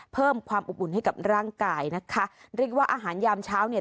เพิ่มความอบอุ่นให้กับร่างกายนะคะเรียกว่าอาหารยามเช้าเนี่ย